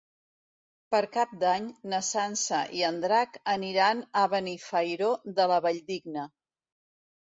Per Cap d'Any na Sança i en Drac aniran a Benifairó de la Valldigna.